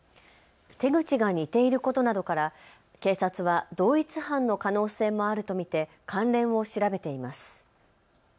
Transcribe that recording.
手口が似ていることなどから警察は同一犯の可能性もあると見て関連を調べています。